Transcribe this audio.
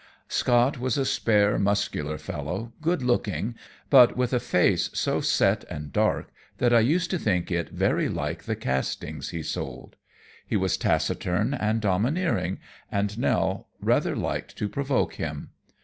Scott was a spare, muscular fellow, good looking, but with a face so set and dark that I used to think it very like the castings he sold. He was taciturn and domineering, and Nell rather liked to provoke him.